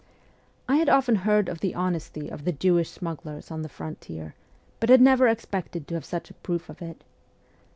I had often heard of the honesty of the Jewish smugglers on the frontier ; but I had never expected to have such a proof of it.